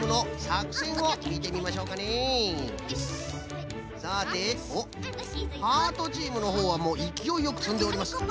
さておっハートチームのほうはいきおいよくつんでおります。